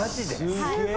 すげえ！